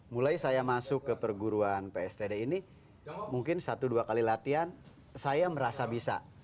mulai saya masuk ke perguruan pstd ini mungkin satu dua kali latihan saya merasa bisa